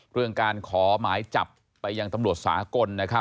เรื่องการขอหมายจับไปยังตำรวจสากล